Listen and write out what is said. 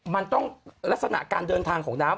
มันต้องลักษณะการเดินทางของน้ำ